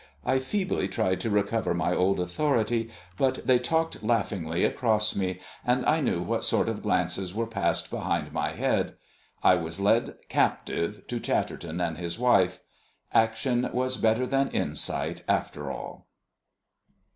I feebly tried to recover my old authority, but they talked laughingly across me, and I knew what sort of glances were passing behind my head. I was led captive to Chatterton and his wife. Action was better than insight after all.